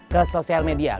ke sosial media